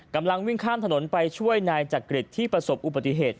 กำลังวิ่งข้ามถนนไปช่วยนายจักริตที่ประสบอุบัติเหตุ